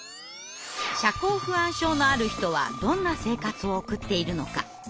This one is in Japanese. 社交不安症のある人はどんな生活を送っているのか。